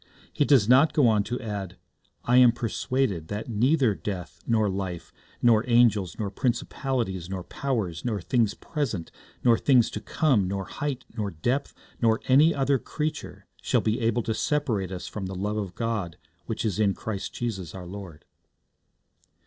He does not go on to add, 'I am persuaded that neither death, nor life, nor angels, nor principalities, nor powers, nor things present, nor things to come, nor height, nor depth, nor any other creature, shall be able to separate us from the love of God, which is in Jesus Christ our Lord.'